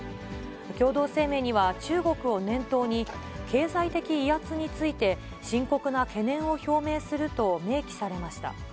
共同声明には、中国を念頭に、経済的威圧について深刻な懸念を表明すると明記されました。